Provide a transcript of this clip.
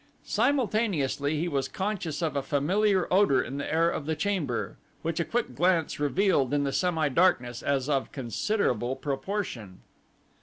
Simultaneously he was conscious of a familiar odor in the air of the chamber, which a quick glance revealed in the semidarkness as of considerable proportion.